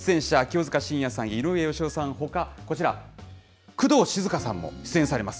出演者、清塚信也さん、井上芳雄さん、ほか工藤静香さんも出演されます。